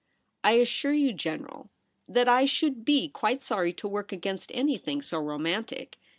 I assure you, 286 THE REBEL ROSE. General, that I should be quite sorry to work against anything so romantic.